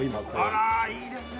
ああいいですね。